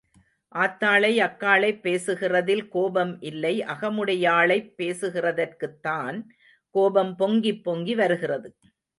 ஆத்தாளை அக்காளைப் பேசுகிறதில் கோபம் இல்லை அகமுடையாளைப் பேசுகிறதற்குத்தான் கோபம் பொங்கிப் பொங்கி வருகிறது.